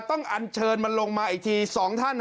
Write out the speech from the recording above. อันเชิญมันลงมาอีกที๒ท่าน